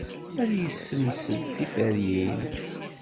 Ad yessemsed tiferyin.